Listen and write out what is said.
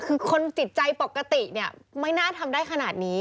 คือคนจิตใจปกติเนี่ยไม่น่าทำได้ขนาดนี้